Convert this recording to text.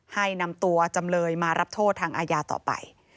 ให้นำตัวจำเลยมารับโทษทางอาญาต่อไป